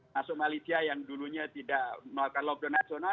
nasionalisya yang dulunya tidak melakukan lockdown nasional